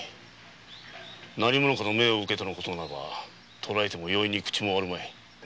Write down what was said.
何者かの命を受けてのことならば捕えても容易に口を割るまい。